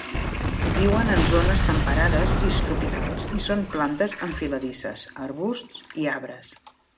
Viuen en zones temperades i subtropicals i són plantes enfiladisses, arbusts i arbres.